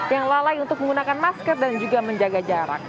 yang lalai untuk menggunakan masker dan juga menjaga jarak